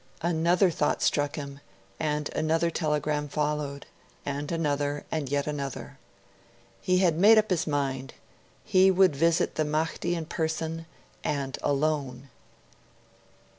Another thought struck him, and another telegram followed. And another, and yet another. He had made up his mind; he would visit the Mahdi in person, and alone.